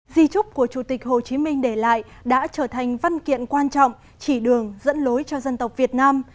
di trúc của chủ tịch hồ chí minh để lại đã trở thành văn kiện quan trọng chỉ đường dẫn lối cho dân tộc việt nam